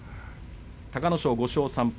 隆の勝は５勝３敗